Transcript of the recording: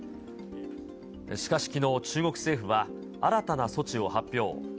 しかしきのう、中国政府は新たな措置を発表。